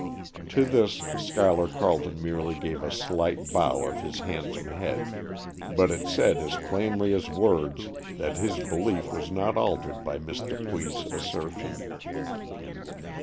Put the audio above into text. To this Schuyler Carleton merely gave a slight bow of his handsome head, but it said as plainly as words that his belief was not altered by Miss Dupuy's assertion.